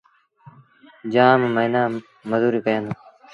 جآم موهيݩآن مزوريٚ ڪيآندو۔